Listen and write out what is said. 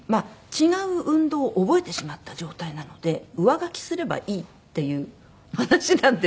違う運動を覚えてしまった状態なので上書きすればいいっていう話なんですね。